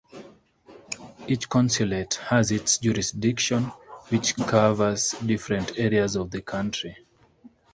Each Consulate has its jurisdiction, which covers different areas of the country.